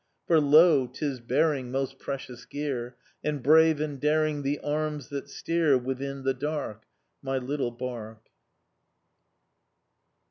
For lo! 'tis bearing Most precious gear, And brave and daring The arms that steer Within the dark My little barque.